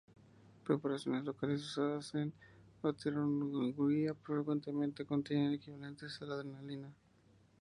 Preparaciones locales usadas en otorrinolaringología frecuentemente contienen equivalentes a la adrenalina.